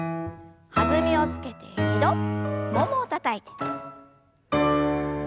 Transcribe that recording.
弾みをつけて２度ももをたたいて。